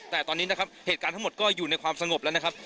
แต่ตอนนี้นะครับเหตุการณ์ทั้งหมดก็อยู่ในความสงบแล้วนะครับ